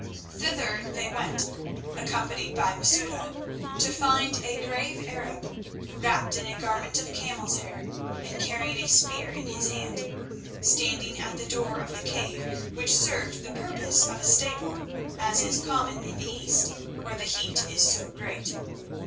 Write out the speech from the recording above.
Thither they went, accompanied by Masouda, to find a grave Arab, wrapped in a garment of camel's hair and carrying a spear in his hand, standing at the door of the cave which served the purpose of a stable, as is common in the East where the heat is so great.